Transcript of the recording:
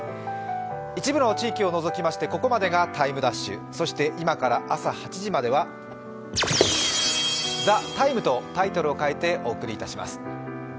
一部の地域を除きましてここまでが「ＴＩＭＥ’」今から朝８時までは「ＴＨＥＴＩＭＥ，」とタイトルを変えてお送りいたします。